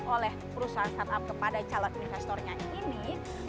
oleh perusahaan startup kepada calon investornya ini